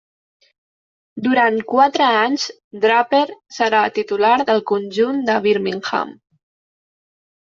Durant quatre anys, Draper serà titular del conjunt de Birmingham.